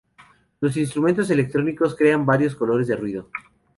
Los instrumentos electrónicos crean varios colores de ruido.